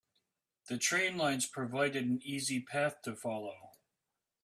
The train lines provided an easy path to follow.